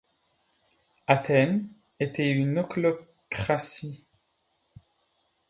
Athènes était une ochlocratie.